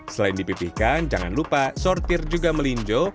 selain dipipihkan jangan lupa sortir juga melinjo